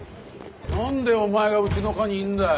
何でお前がうちの科にいるんだよ？